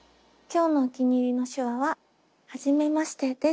今日のお気に入りの手話は「はじめまして」です。